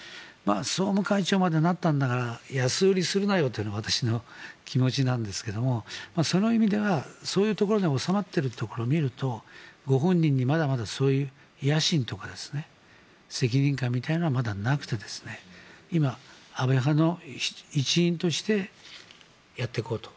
総務会長までなったんだから安売りするなよというのが私の気持ちなんですけどもその意味ではそういうところに収まっているところを見るとご本人にまだまだそういう野心とか責任感みたいなのはまだなくて今、安倍派の一員としてやっていこうと。